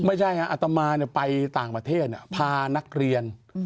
ไม่ใช่อะอัตมาลเนี่ยไปต่างประเทศอะพานักเรียน